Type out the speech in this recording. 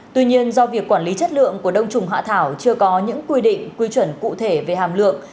tuy nhiên do việc quản lý chất lượng của đông trùng hạ thảo chưa có những quy định quy chuẩn cụ thể về hàm lượng